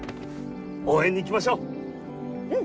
応援に行きましょううん！